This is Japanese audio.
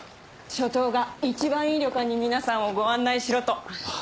署長が一番いい旅館に皆さんをご案内しろと。